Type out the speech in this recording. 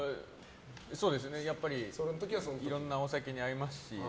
やっぱり、いろんなお酒に合いますし。